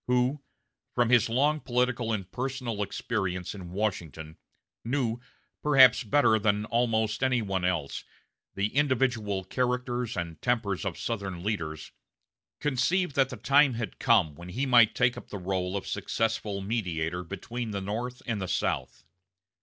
who, from his long political and personal experience in Washington, knew, perhaps better than almost any one else, the individual characters and tempers of Southern leaders, conceived that the time had come when he might take up the rôle of successful mediator between the North and the South.